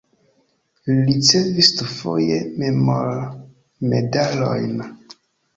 Li ricevis dufoje memormedalojn.